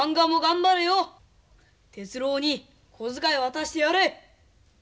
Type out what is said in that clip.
鉄郎に小遣い渡してやれ。